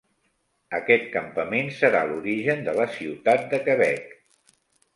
Aquest campament serà l'origen de la ciutat de Quebec.